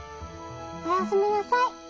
おやすみなさい。